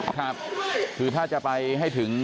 ครับคือถ้าจะไปให้ถึง